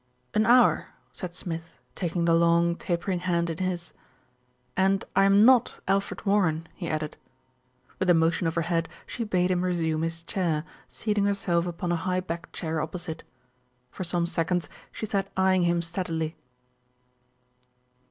"An hour," said Smith, taking the long, tapering hand in his, "and I am not Alfred Warren," he added. With a motion of her head, she bade him resume his chair, seating herself upon a high backed chair opposite. For some seconds she sat eyeing him steadily.